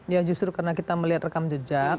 ya justru karena kita melihat rekam jejak